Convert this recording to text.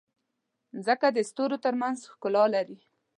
مځکه د ستورو ترمنځ ښکلا لري.